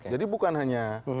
jadi bukan hanya